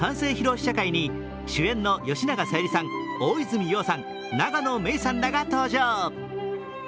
試写会に主演の吉永小百合さん、大泉洋さん永野芽郁さんらが登場。